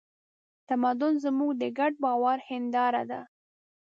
تمدن زموږ د ګډ باور هینداره ده.